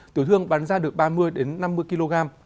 tiểu thương bán ra được ba mươi năm mươi kg